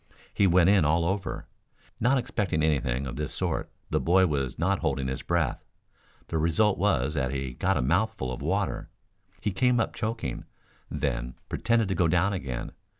He went in all over. Not expecting anything of this sort the boy was not holding his breath. The result was that he got a mouthful of water. He came up choking, then pretended to go down again.